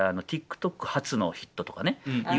だからＴｉｋＴｏｋ発のヒットとかね